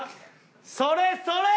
それそれ！